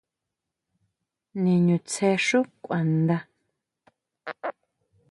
Niñutsjé xú kuandá.